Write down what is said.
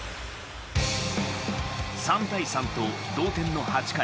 ３対３と同点の８回。